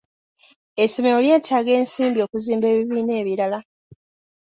Essomero lyetaaga ensimbi okuzimba ebibiina ebirala.